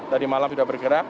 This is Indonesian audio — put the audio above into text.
tadi malam sudah bergerak